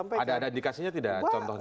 ada indikasinya tidak contohnya